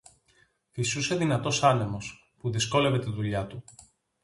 Φυσούσε δυνατός άνεμος, που δυσκόλευε τη δουλειά του